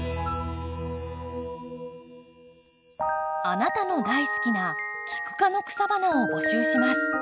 あなたの大好きなキク科の草花を募集します。